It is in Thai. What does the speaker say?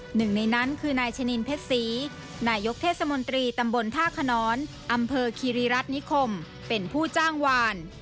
หนึ่งในนั้นคือนายชะนินเพชรศรีนายกเทศมนตรีตำบลท่าขนอนอำเภอคีรีรัฐนิคมเป็นผู้จ้างวาน